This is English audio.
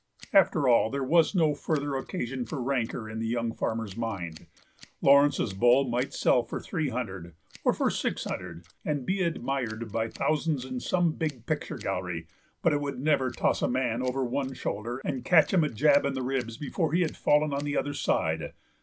After all, there was no further occasion for rancour in the young farmer's mind; Laurence's bull might sell for three hundred, or for six hundred, and be admired by thousands in some big picture gallery, but it would never toss a man over one shoulder and catch him a jab in the ribs before he had fallen on the other side.